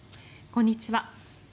こんにちは。